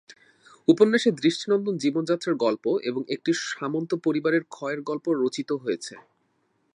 উপন্যাসে দৃষ্টিনন্দন জীবনযাত্রার গল্প এবং একটি সামন্ত পরিবারের ক্ষয়ের গল্প রচিত হয়েছে।